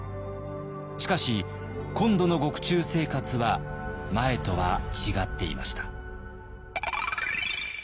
しかし今度の獄中生活は前とは違っていました。